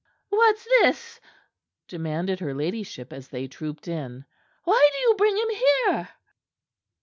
"What's this?" demanded her ladyship, as they trooped in. "Why do you bring him here?"